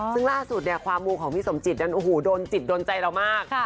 ซึ่งล่าสุดเนี่ยความมูของพี่สมจิตนั้นโอ้โหโดนจิตโดนใจเรามาก